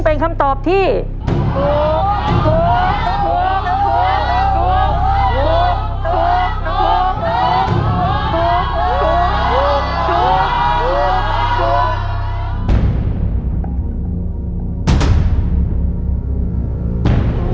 และเข้าสาร๑๐๐กิโลกรัมอีก๑ตู้